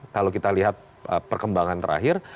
kalau kita lihat perkembangan terakhir